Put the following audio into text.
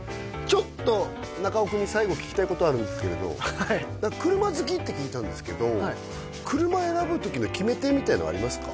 ちょっと中尾君に最後聞きたいことあるんですけれどはい車好きって聞いたんですけど車選ぶ時の決め手みたいなのありますか？